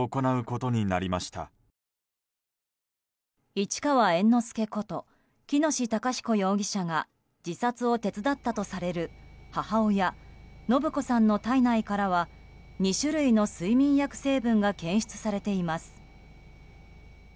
市川猿之助こと喜熨斗孝彦容疑者が自殺を手伝ったとされる母親・延子さんの体内からは２種類の睡眠薬成分が検出されています。